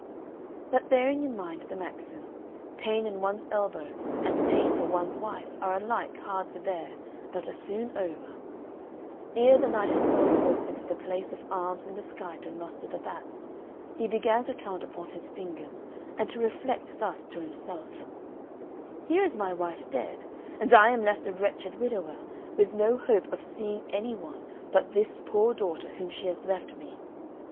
But bearing in mind the maxim, "Pain in one's elbow and pain for one's wife are alike hard to bear, but are soon over," ere the Night had gone forth into the place of arms in the sky to muster the bats he began to count upon his fingers and to reflect thus to himself, "Here is my wife dead, and I am left a wretched widower, with no hope of seeing any one but this poor daughter whom she has left me.